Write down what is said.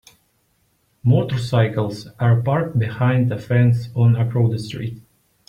Motorcycles are parked behind a fence on a crowded street.